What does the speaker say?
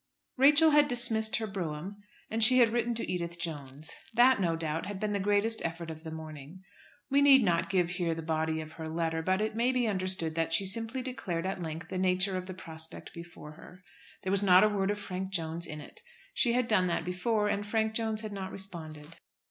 Rachel had dismissed her brougham, and she had written to Edith Jones. That, no doubt, had been the greatest effort of the morning. We need not give here the body of her letter, but it may be understood that she simply declared at length the nature of the prospect before her. There was not a word of Frank Jones in it. She had done that before, and Frank Jones had not responded.